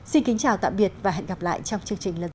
xin kính chào tạm biệt và hẹn gặp lại trong chương trình lần sau